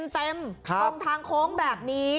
ตรงทางโค้งแบบนี้